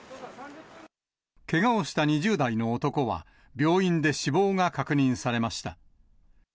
けがをした２０代の男は、病院で死亡が確認されました。